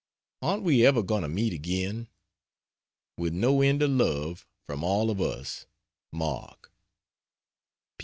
Aren't we ever going to meet again? With no end of love from all of us, MARK.